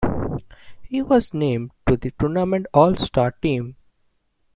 He was named to the tournament all-star team.